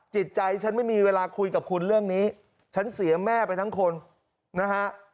จิตใจฉันไม่มีเวลาคุยกับคุณเรื่องนี้ฉันเสียแม่ไปทั้งคนนะฮะ